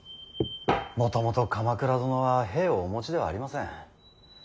もともと鎌倉殿は兵をお持ちではありません。